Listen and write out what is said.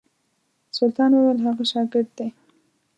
سلطان ویل هغه شاګرد دی.